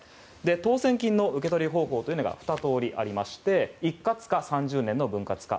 当選金の受け取り方法は２通りありまして一括か３０年の分割か。